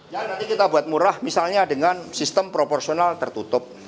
ya nanti kita buat murah misalnya dengan sistem proporsional tertutup